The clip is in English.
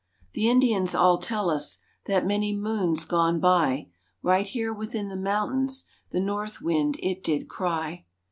The Indians all tell us, That many moons gone by Right here within the mountains, The North wind it did cry.